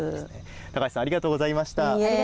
高橋さん、ありがとうございました。